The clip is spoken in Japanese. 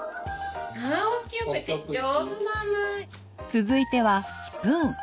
続いてはスプーン。